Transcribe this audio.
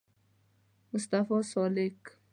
مصطفی سالک